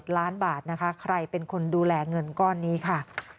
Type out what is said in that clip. ล้านบาทนะคะใครเป็นคนดูแลเงินก้อนนี้ค่ะ